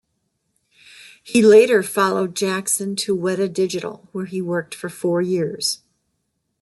He later followed Jackson to Weta Digital, where he worked for four years.